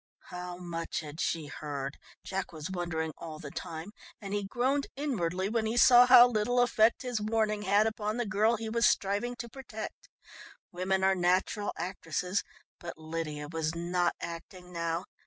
How much had she heard? Jack was wondering all the time, and he groaned inwardly when he saw how little effect his warning had upon the girl he was striving to protect. Women are natural actresses, but Lydia was not acting now.